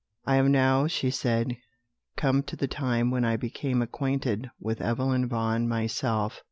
"I am now," she said, "come to the time when I became acquainted with Evelyn Vaughan myself."